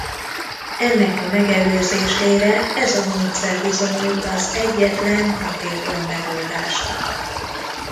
Ennek a megelőzésére ez a módszer bizonyult az egyetlen hatékony megoldásnak.